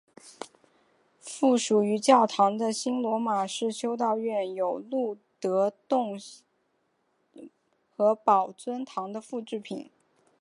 附属于教堂的新罗马式修道院有露德洞窟和宝尊堂的复制品。